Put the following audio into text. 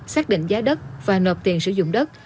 xác định giá đất và nộp tiền sử dụng đất